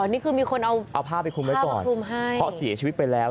นี่คือมีคนเอาผ้าไปคลุมไว้ก่อนคลุมให้เพราะเสียชีวิตไปแล้ว